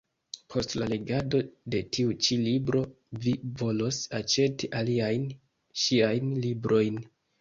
Post la legado de tiu ĉi libro, vi volos aĉeti aliajn ŝiajn librojn.